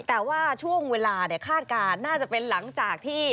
แต่ว่าช่วงเวลาคาดการณ์น่าจะเป็นหลังจากที่